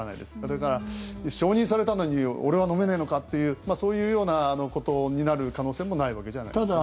だから、承認されたのに俺は飲めねえのかっていうそういうようなことになる可能性もないわけじゃないです。